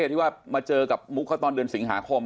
ที่ว่ามาเจอกับมุกเขาตอนเดือนสิงหาคม